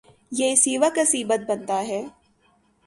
یہ اسی وقت عصبیت بنتا ہے۔